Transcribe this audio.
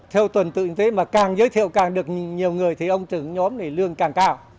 theo tuần tự như thế mà càng giới thiệu càng được nhiều người thì ông trưởng nhóm này lương càng cao